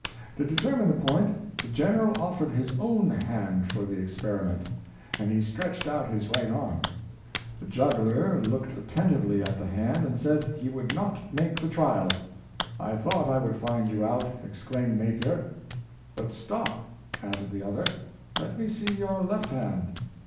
To determine the point, the General of fered his own hand for the experiment, and he stretched out his right arm. The juggler looked attentively at the hand and said he would not make the trial. " I thought I would find you out! " exclaimed Napier. " But stop," added the other, " let me see your left hand."